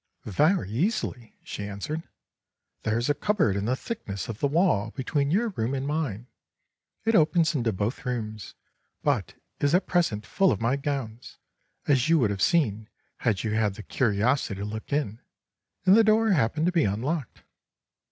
"Very easily," she answered; "there is a cupboard in the thickness of the wall between your room and mine; it opens into both rooms, but is at present full of my gowns, as you would have seen had you had the curiosity to look in, and the door happened to be unlocked."